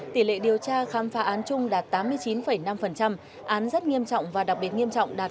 tỷ lệ điều tra khám phá án chung đạt tám mươi chín năm án rất nghiêm trọng và đặc biệt nghiêm trọng đạt một trăm linh